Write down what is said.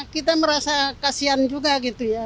kita merasa kasihan juga gitu ya